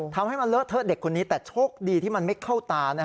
ทำให้มันเลอะเทอะเด็กคนนี้แต่โชคดีที่มันไม่เข้าตา